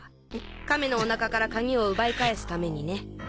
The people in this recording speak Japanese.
亀のお腹から鍵を奪い返すためにね。